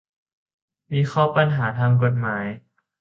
วิเคราะห์ปัญหาทางกฎหมาย